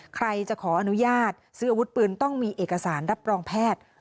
ใครจะขออนุญาตซื้ออาวุธปืนต้องมีเอกสารรับรองแพทย์